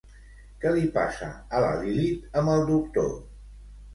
Què li passa a la Lilith amb el doctor?